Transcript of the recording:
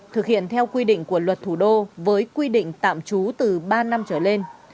thực hiện theo quy định của luật thủ đô với quy định tạm trú từ ba năm trở lên